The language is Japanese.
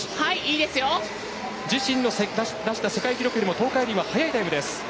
自身の出した世界記録よりも東海林は速いタイムです。